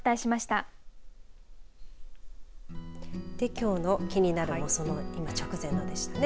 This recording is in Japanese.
きょうのキニナル！もその今直前のでしたね。